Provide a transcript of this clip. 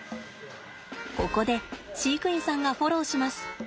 ここで飼育員さんがフォローします。